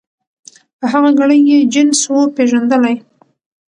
په هغه ګړي یې جنس وو پیژندلی